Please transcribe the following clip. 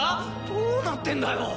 どうなってんだよ？